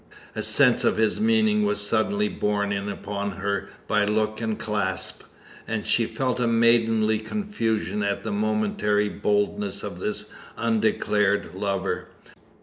A sense of his meaning was suddenly borne in upon her by look and clasp, and she felt a maidenly confusion at the momentary boldness of this undeclared lover.